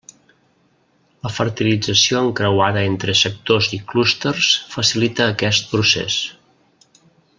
La fertilització encreuada entre sectors i clústers facilita aquest procés.